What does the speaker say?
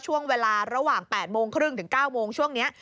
ช่วงเวลาระหว่าง๘โมงครึ่งถึง๙โมงช่วงนี้